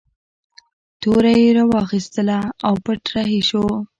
توره یې راواخیستله او پټ رهي شو.